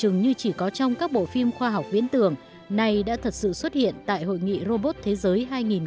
chừng như chỉ có trong các bộ phim khoa học viễn tưởng này đã thật sự xuất hiện tại hội nghị robot thế giới hai nghìn một mươi bảy